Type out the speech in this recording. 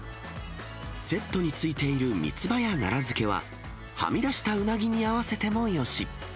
セットについている三つ葉や奈良漬けは、はみ出したうなぎに合わせてもよし。